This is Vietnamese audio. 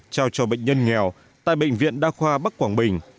trao cho bệnh nhân nghèo tại bệnh viện đa khoa bắc quảng bình